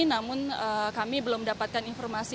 namun kami belum mendapatkan informasi